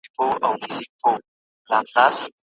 ډېر خلک غوښه په اعتدال خوري.